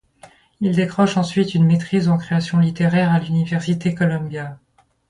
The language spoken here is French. Il décroche ensuite une maîtrise en création littéraire à l'Université Columbia.